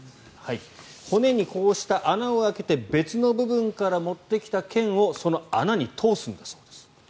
骨にこうした穴を開けて別の部分から持ってきた腱をその穴に通すんだそうです。